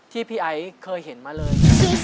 ที่พี่ไอซ์เคยเห็นมาเลย